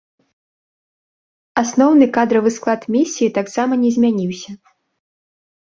Асноўны кадравы склад місіі таксама не змяніўся.